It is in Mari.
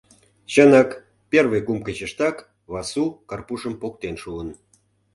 Чынак, первый кум кечыштак Васу Карпушым поктен шуын.